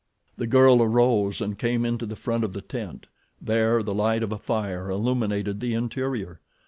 The girl arose and came into the front of the tent. There the light of a fire illuminated the interior.